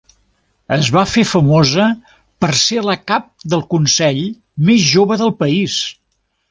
Es va fer famosa per ser la cap de consell més jove del país.